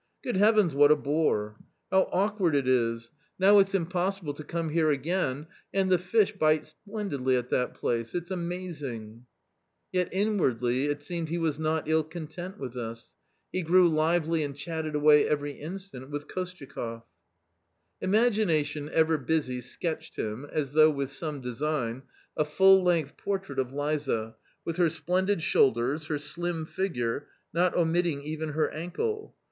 " Good Heavens, what a bore ! how awkward it is ; now it's 216 A COMMON STORY impossible to come here again, and the fish bite splendidly at that place — it's amazing !" Yet inwardly it seemed he was not ill content with this ; he grew lively and chatted away every instant with Kosty akoff. Imagination, ever busy, sketched him, as though with some design, a full length portrait of Liza, with her splendid shoulders, her slim figure, not omitting even her ankle.